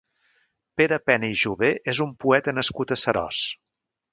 Pere Pena i Jové és un poeta nascut a Seròs.